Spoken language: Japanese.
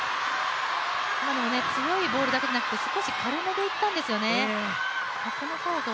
今のも強いボールだけじゃなくて少し軽めでいったんですよね。